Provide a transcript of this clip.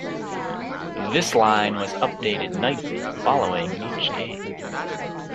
This line was updated nightly following each game.